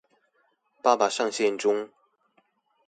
爸爸上線中